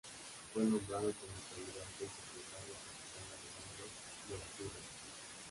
Fue nombrado como su ayudante y secretario el capitán Alejandro Murature.